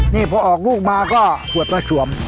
นี่พอออกลูกมาก็ขวดมาสวม